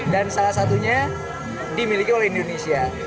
dan salah satunya dimiliki oleh indonesia